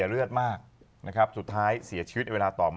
รุ่งลุกอม